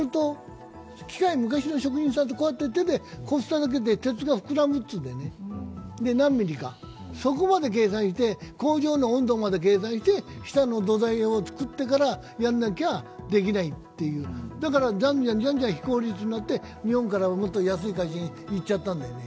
昔の職人さん手でこすっただけで鉄が膨らむっていうんだよね、何ミリか、そこまで計算して工場の温度まで計算して、下の土台を作ってからやらなきゃできないという、だから、じゃんじゃんじゃんじゃん非効率になって日本からもっと安い会社に行っちゃったんだよね。